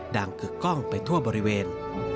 ดังเกือบกล้องไปทั่วบริเวณ